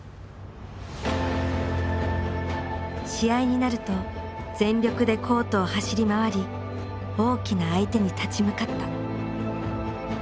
試合になると全力でコートを走り回り大きな相手に立ち向かった。